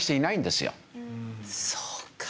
そうか。